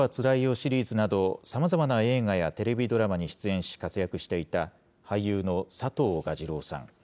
シリーズなど、さまざまな映画やテレビドラマに出演し、活躍していた俳優の佐藤蛾次郎さん。